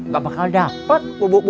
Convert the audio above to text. ga bakal dapet